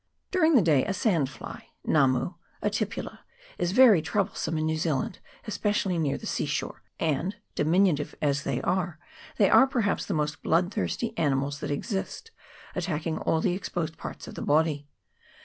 During the day a sandfly (ngamu), a tipula, is very troublesome in New Zealand, especially near the sea shore; and, diminutive as they are, they are perhaps the most bloodthirsty animals that exist, attacking all the exposed parts of the body.